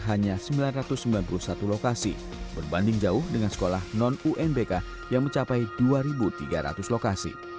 hanya sembilan ratus sembilan puluh satu lokasi berbanding jauh dengan sekolah non unbk yang mencapai dua tiga ratus lokasi